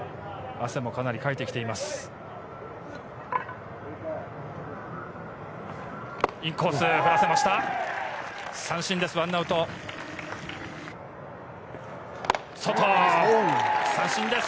汗もかなり、かいてきています。